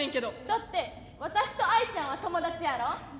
だって私と愛ちゃんは友達やろ。